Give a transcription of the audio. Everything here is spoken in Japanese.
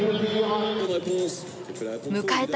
迎えた